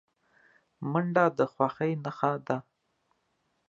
منډه د خوښۍ نښه ده